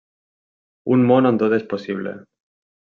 Un món on tot és possible.